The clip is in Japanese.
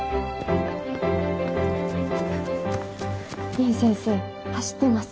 凛先生走ってます。